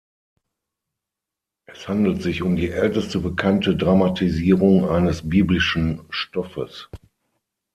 Es handelt sich um die älteste bekannte Dramatisierung eines biblischen Stoffes.